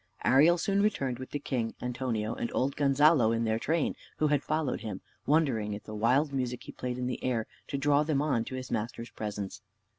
Ariel soon returned with the king, Antonio, and old Gonzalo in their train, who had followed him, wondering at the wild music he played in the air to draw them on to his master's presence.